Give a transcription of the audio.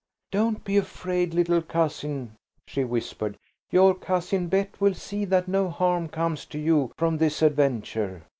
"Don't be afraid, little cousin," she whispered, "your Cousin Bet will see that no harm comes to you from this adventure."